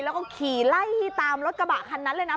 แล้วก็ขี่ไล่ตามรถกระบะคันนั้นเลยนะ